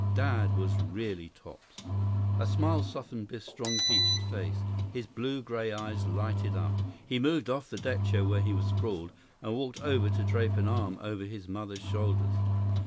Dad was really tops. A smile softened Biff's strong featured face. His blue gray eyes lighted up. He moved off the deck chair where he was sprawled and walked over to drape an arm over his mother's shoulders.